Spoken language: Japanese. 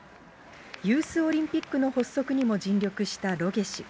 ユースオリンピックの発足にも尽力したロゲ氏。